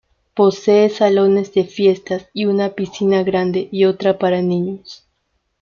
Posee salones de fiestas y una piscina grande y otra para niños.